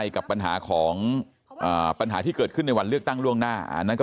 กับปัญหาของปัญหาที่เกิดขึ้นในวันเลือกตั้งล่วงหน้าอันนั้นก็